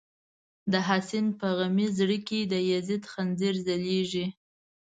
د «حسین» په زغمی زړه کی، د یزید خنجر ځلیږی